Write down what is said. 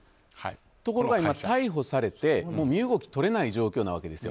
ところが今、逮捕されて身動き取れない状況なわけですよ。